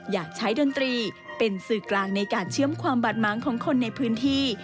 อยากใช้ดนตรีเป็นสื่อกลางในการเชื่อมความบาดม้างของคนในพื้นที่